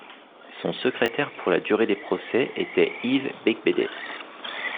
Son secrétaire pour la durée des procès était Yves Beigbeder.